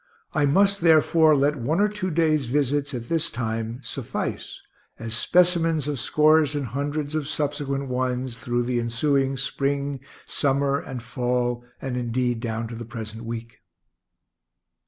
I must, therefore, let one or two days' visits at this time suffice as specimens of scores and hundreds of subsequent ones, through the ensuing spring, summer, and fall, and, indeed, down to the present week.